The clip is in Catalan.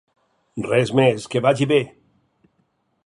Res més, que vagi be!